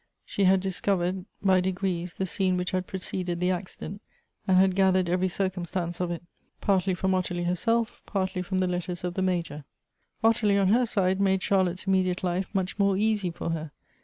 She had discovered by degrees the scene which had preceded the accident, and had gathered every circumstance of it, partly fr^m Ottilie herself, partly from the letters of the Major. Ottilie, on her side, made Charlotte's immediate life much more easy for her.